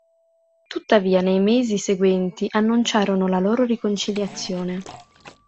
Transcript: Tuttavia nei mesi seguenti annunciarono la loro riconciliazione.